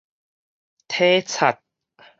體察